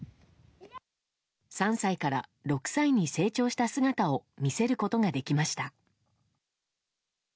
３歳から６歳に成長した姿を見せることができました。